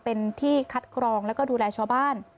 เป็นที่คัดกรองแล้วก็ดูแลชาวบ้าน